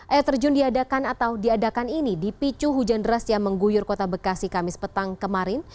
air terjun diadakan atau diadakan ini dipicu hujan deras yang mengguyur kota bekasi kamis petang kemarin